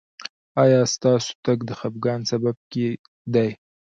ایا ستاسو تګ د خفګان سبب دی؟